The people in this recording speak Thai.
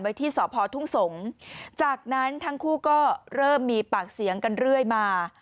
ที่สพทุ่งสงศ์จากนั้นทั้งคู่ก็เริ่มมีปากเสียงกันเรื่อยมา